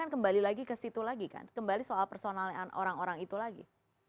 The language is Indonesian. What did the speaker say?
terima kasih pak menteri